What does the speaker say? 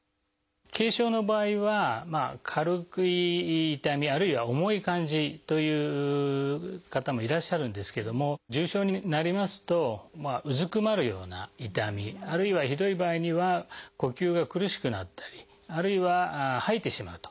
軽症の場合は軽い痛みあるいは重い感じという方もいらっしゃるんですけども重症になりますとうずくまるような痛みあるいはひどい場合には呼吸が苦しくなったりあるいは吐いてしまうと。